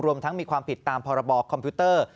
ทั้งมีความผิดตามพรบคอมพิวเตอร์